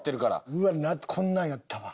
うわこんなんやったわ。